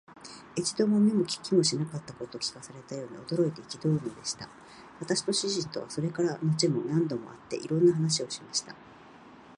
一度も見も聞きもしなかったことを聞かされたように、驚いて憤るのでした。私と主人とは、それから後も何度も会って、いろんな話をしました。